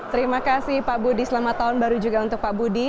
terima kasih pak budi selamat tahun baru juga untuk pak budi